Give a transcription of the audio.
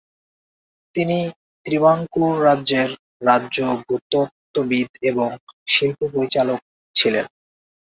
তিনি ত্রিবাঙ্কুর রাজ্যের রাজ্য ভূতত্ত্ববিদ এবং শিল্প পরিচালক ছিলেন।